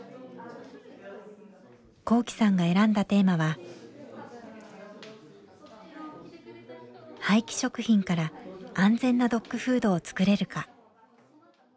昂志さんが選んだテーマは「廃棄食品から安全なドッグフードを作れるか」。